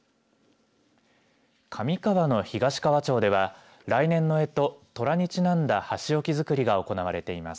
上川の東川町では来年のえと、とらにちなんだ箸置きづくりが行われています。